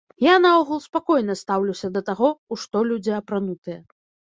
Я наогул спакойна стаўлюся да таго, у што людзі апранутыя.